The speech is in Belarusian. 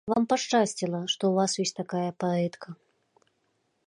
Вам пашчасціла, што ў вас ёсць такая паэтка.